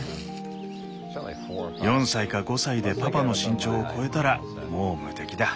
４歳か５歳でパパの身長を超えたらもう無敵だ。